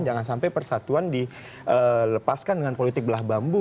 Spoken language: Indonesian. jangan sampai persatuan dilepaskan dengan politik belah bambu